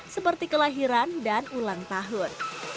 seperti kelahiran dan ulang tahun